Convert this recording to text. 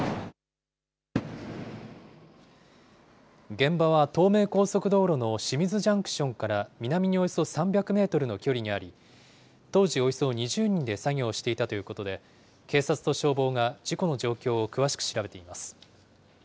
現場は東名高速道路の清水ジャンクションから南におよそ３００メートルの距離にあり、当時およそ２０人で作業をしていたということで、警察と消防が事故の状況を詳しく調べています。